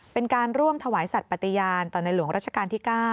เป็นการร่วมถวายสัตว์ปฏิญาณต่อในหลวงรัชกาลที่๙